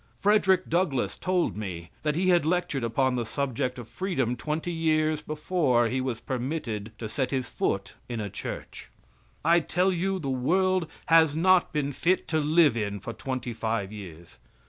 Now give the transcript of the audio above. Frederick Douglas told me that he had lectured upon the subject of freedom twenty years before he was permitted to set his foot in a church. I tell you the world has not been fit to live in for twenty five years.